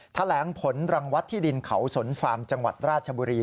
แถลงผลรางวัลที่ดินเขาสนฟาร์มจังหวัดราชบุรี